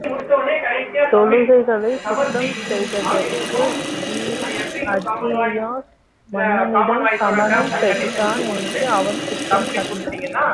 தொழுக்களைச் சுத்தம் செய்ததற்கு, வீரன் ஆஜியஸ் மன்னனிடம் சம்மானம் பெற்றான் என்றும் அவன் குற்றம் சாட்டினான்.